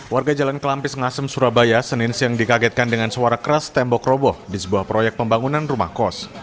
warga jalan kelampis ngasem surabaya senin siang dikagetkan dengan suara keras tembok roboh di sebuah proyek pembangunan rumah kos